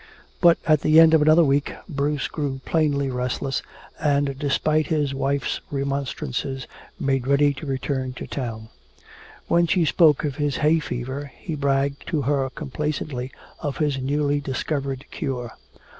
But at the end of another week Bruce grew plainly restless, and despite his wife's remonstrances made ready to return to town. When she spoke of his hay fever he bragged to her complacently of his newly discovered cure.